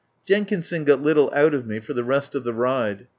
Jenkinson got little out of me for the rest of the ride.